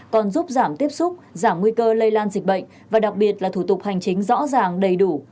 còn giúp giảm tiếp xúc giảm nguy cơ lây lan dịch bệnh và đặc biệt là thủ tục hành chính rõ ràng đầy đủ